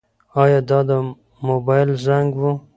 ایا دا د موبایل زنګ و؟